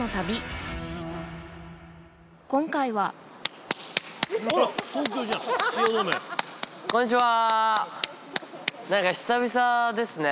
今回はこんにちは！